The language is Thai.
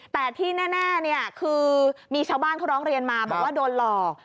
แต่ที่แน่คือมีชาวบ้านเขาร้องเรียนมาบอกว่าโดนหลอก